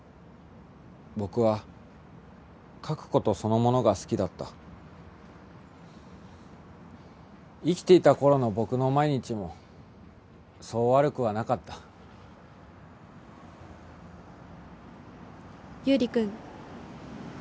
僕は書くことそのものが好きだった生きていた頃の僕の毎日もそう悪くはなかった友利君